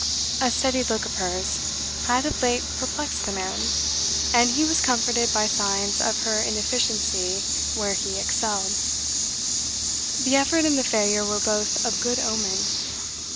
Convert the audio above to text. A steady look of hers had of late perplexed the man, and he was comforted by signs of her inefficiency where he excelled. The effort and the failure were both of good omen.